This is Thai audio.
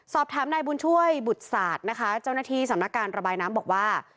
สอบถามนายบุญช่วยบุตรศาสตร์นะคะเจ้าหน้าที่สำนักการระบายน้ำบอกว่า